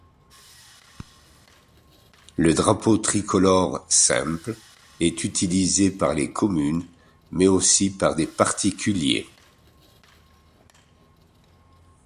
Le drapeau tricolore simple est utilisée par les communes mais aussi par des particuliers.